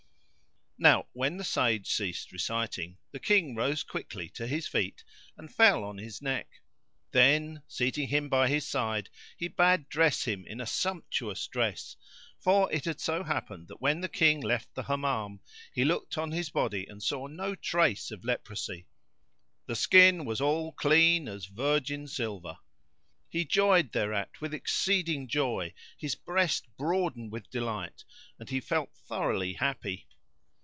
Now when the Sage ceased reciting, the King rose quickly to his feet and fell on his neck; then, seating him by his side he bade dress him in a sumptuous dress; for it had so happened that when the King left the Hammam he looked on his body and saw no trace of leprosy: the skin was all clean as virgin silver. He joyed thereat with exceeding joy, his breast broadened[FN#83] with delight and he felt thoroughly happy.